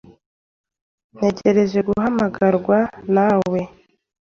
Ntegereje guhamagarwa nawe .